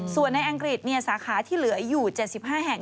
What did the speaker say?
ส่วนในอังกฤษสาขาที่เหลืออยู่๗๕แห่ง